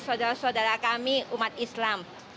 saudara saudara kami umat islam